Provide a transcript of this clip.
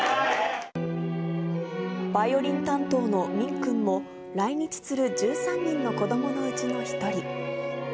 バイオリン担当のミン君も、来日する１３人の子どものうちの一人。